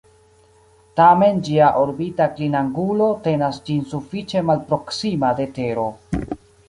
Tamen ĝia orbita klinangulo tenas ĝin sufiĉe malproksima de Tero.